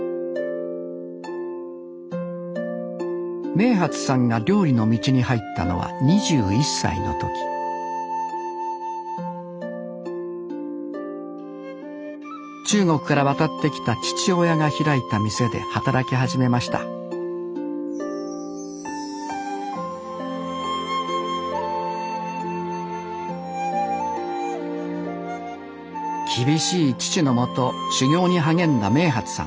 明發さんが料理の道に入ったのは２１歳の時中国から渡ってきた父親が開いた店で働き始めました厳しい父の下修業に励んだ明發さん。